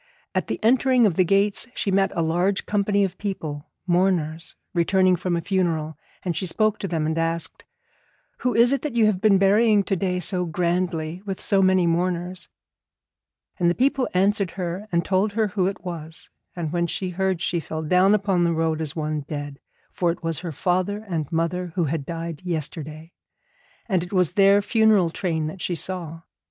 At the entering of the gates she met a large company of people, mourners, returning from a funeral, and she spoke to them and asked them: 'Who is it that you have been burying to day so grandly with so many mourners?' And the people answered her, and told her who it was. And when she heard, she fell down upon the road as one dead: for it was her father and mother who had died yesterday, and it was their funeral train that she saw.